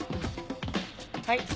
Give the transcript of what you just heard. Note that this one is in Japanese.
はい。